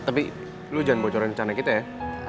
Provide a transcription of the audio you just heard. tapi lu jangan bocorin rencana kita ya